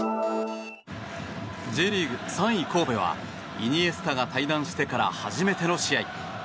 Ｊリーグ３位、神戸はイニエスタが退団してから初めての試合。